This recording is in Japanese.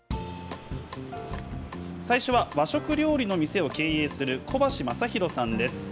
最初は和食料理の店を経営する小橋雅洋さんです。